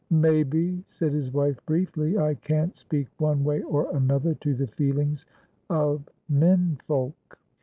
"Maybe," said his wife, briefly; "I can't speak one way or another to the feelings of men folk."